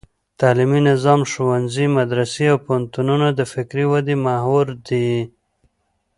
تعلیمي نظام: ښوونځي، مدرسې او پوهنتونونه د فکري ودې محور دي.